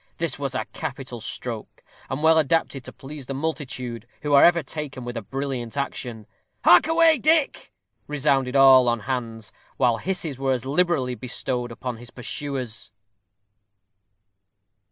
This was a capital stroke, and well adapted to please the multitude, who are ever taken with a brilliant action. "Hark away, Dick!" resounded on all hands, while hisses were as liberally bestowed upon his pursuers.